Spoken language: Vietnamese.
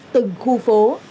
từng khu phố